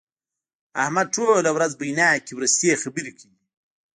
احمد ټوله ورځ بويناکې ورستې خبرې کوي.